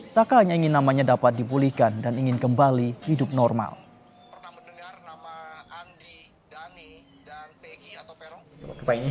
sakanya ingin namanya dapat dipulihkan dan ingin kembali hidup normal